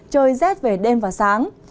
trời rét về đêm và sáng